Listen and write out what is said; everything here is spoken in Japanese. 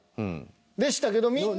でしたけどみんなが。